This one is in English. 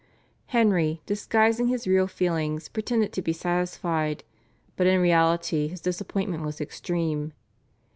Henry, disguising his real feelings, pretended to be satisfied; but in reality his disappointment was extreme.